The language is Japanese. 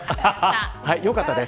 よかったです。